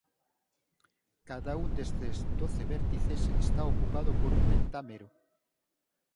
Cada un destes doce vértices está ocupado por un pentámero.